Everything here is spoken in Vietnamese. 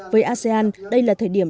với asean đây là một năm rất đặc biệt